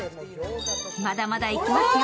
まだまだいきますよ。